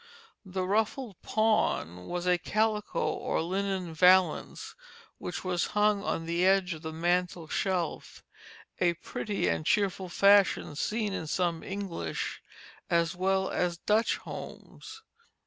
The "ruffled pawn" was a calico or linen valance which was hung on the edge of the mantel shelf, a pretty and cheerful fashion seen in some English as well as Dutch homes.